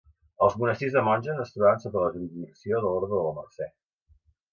Els monestirs de monges es trobaven sota la jurisdicció de l'Orde de la Mercè.